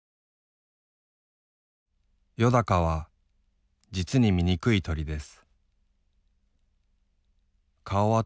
「よだかは實にみにくい鳥です」。